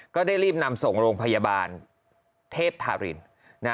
ก็ได้รีบนำส่งโรงพยาบาลเทพธาริน